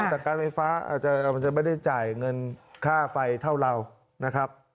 แต่การไฟฟ้าอาจจะไม่ได้จ่ายเงินค่าไฟเท่าเรานะครับ